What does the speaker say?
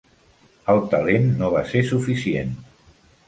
El talent no va ser suficient.